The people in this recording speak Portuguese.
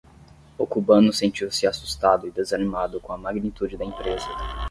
O cubano sentiu-se assustado e desanimado com a magnitude da empresa.